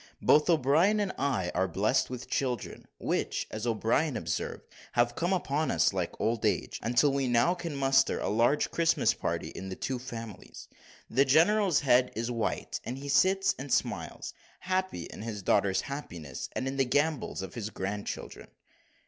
Both O'Brien and I are blessed with children, which, as O'Brien observed, have come upon us like old age, until we now can muster a large Christmas party in the two families. The general's head is white, and he sits and smiles, happy in his daughter's happiness, and in the gambols of his grandchildren.